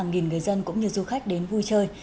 hàng nghìn người dân cũng như du khách đến vui chơi